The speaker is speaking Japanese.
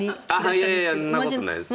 いやいやいやそんな事ないです。